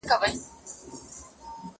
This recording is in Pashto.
مېله ماته، غول ئې پاته.